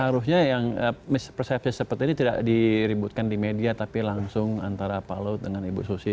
harusnya yang mispersepsi seperti ini tidak diributkan di media tapi langsung antara pak luhut dengan ibu susi